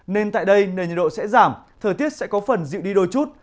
nên tại đây nền nhiệt độ sẽ giảm thời tiết sẽ có phần dịu đi đôi chút